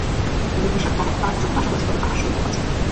তাদের হিসাব, মমতা যতটা আশা করছেন, ততটা আসন এবার পাচ্ছেন না।